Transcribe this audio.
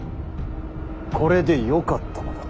これでよかったのだ。